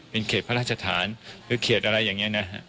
เป็นเขตพระราชฐานหรือเขตอะไรอย่างนี้นะฮะ